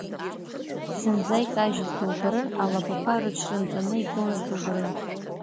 Зынӡа икажьыз дубарын, алабақәа рыҽрынҵаны игылаз дубарын.